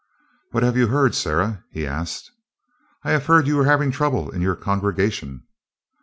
"What have you heard, Sarah?" he asked. "I have heard you are having trouble in your congregation."